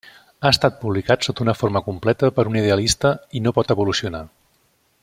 Ha estat publicat sota una forma completa per un idealista i no pot evolucionar.